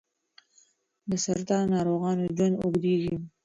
د سرطان ناروغانو ژوند اوږدوي.